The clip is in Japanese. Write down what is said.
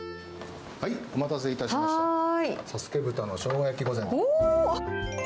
お待たせいたしました。